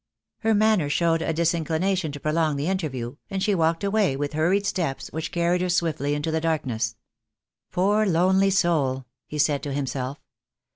Her manner showed a disinclination to prolong the interview, and she walked away with hurried steps which carried her swiftly into the darkness. "Poor lonely soul," he said to himself.